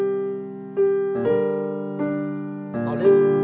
あれ？